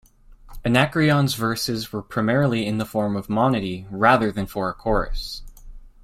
Anacreon's verses were primarily in the form of monody rather than for a chorus.